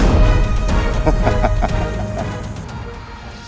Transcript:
dan menangkan mereka